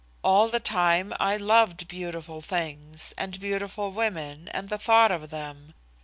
All the time I loved beautiful things, and beautiful women, and the thought of them.